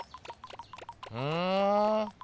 ふん？